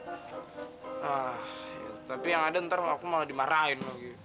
ah tapi yang ada ntar aku malah dimarahin lagi